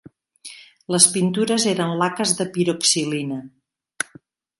Les pintures eren laques de piroxilina.